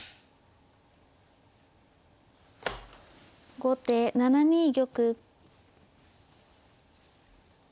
後手８二玉。